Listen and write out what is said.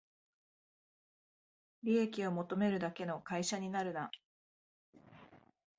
利益を求めるだけの会社になるな